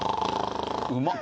うまっ。